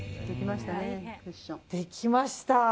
できました。